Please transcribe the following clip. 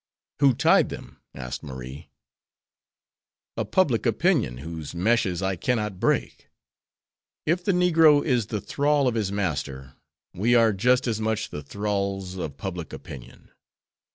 "Who tied them?" asked Marie. "A public opinion, whose meshes I cannot break. If the negro is the thrall of his master, we are just as much the thralls of public opinion."